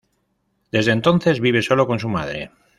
Desde entonces vive solo con su madre.